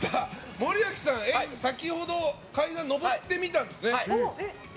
森脇さん、先ほど実際に階段上ってみたんですよね？